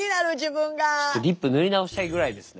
リップ塗り直したいぐらいですね。